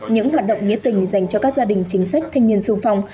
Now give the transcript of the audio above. những hoạt động nghĩa tình dành cho các gia đình chính sách thanh niên sung phong